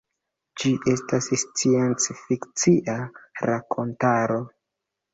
Ĝi estas sciencfikcia rakontaro.